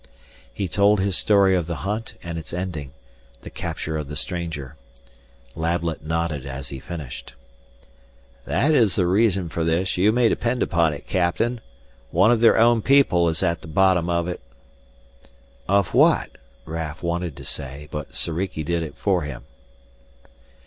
He told his story of the hunt and its ending, the capture of the stranger. Lablet nodded as he finished. "That is the reason for this, you may depend upon it, Captain. One of their own people is at the bottom of it." "Of what?" Raf wanted to ask, but Soriki did it for him.